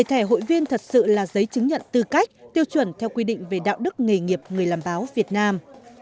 hội viên thật sự là giấy chứng nhận tư cách tiêu chuẩn theo quy định về đạo đức nghề nghiệp người làm báo việt nam